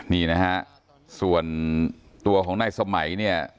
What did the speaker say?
นี่นะฮะส่วนตัวของนายสมัยเนี่ย